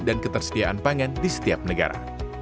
dan ketersediaan pangan di setiap negara